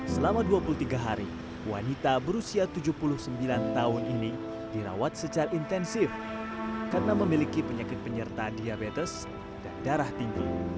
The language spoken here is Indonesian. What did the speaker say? selama dua puluh tiga hari wanita berusia tujuh puluh sembilan tahun ini dirawat secara intensif karena memiliki penyakit penyerta diabetes dan darah tinggi